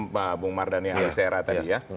pak mardhani ala sera tadi ya